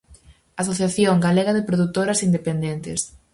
Asociación Galega de Produtoras Independentes.